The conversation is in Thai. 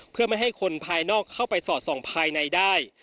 เพื่อไม่ให้คนภายนอกเข้าไปสอดส่องภายในได้